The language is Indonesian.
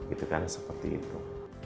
itu kan seperti itu